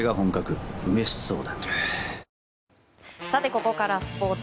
ここからはスポーツ。